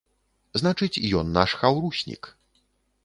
Значыць, ён наш хаўруснік.